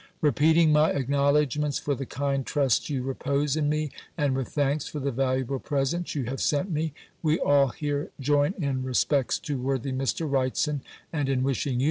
"Repeating my acknowledgements for the kind trust you repose in me, and with thanks for the valuable present you have sent me, we all here join in respects to worthy Mr. Wrightson, and in wishing you.